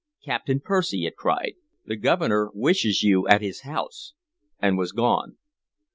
"Captain Percy," it cried, "the Governor wishes you at his house!" and was gone.